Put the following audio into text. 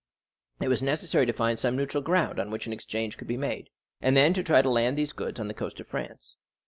It was necessary to find some neutral ground on which an exchange could be made, and then to try and land these goods on the coast of France.